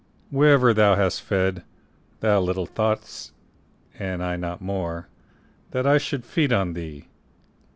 Wherever thou hast fed, thou little thought'st, And I not more, that I should feed on thee.